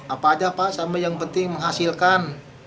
apa aja pak sampai yang penting menghasilkan